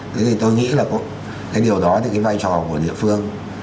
thế thì tôi nghĩ là cái điều đó thì cái vai trò của địa phương